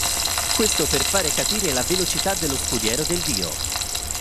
Questo per fare capire la velocità dello scudiero del dio.